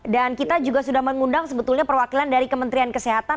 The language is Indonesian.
dan kita juga sudah mengundang sebetulnya perwakilan dari kementerian kesehatan